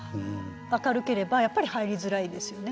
明るければやっぱり入りづらいですよね。